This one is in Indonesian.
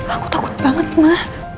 aku takut banget ma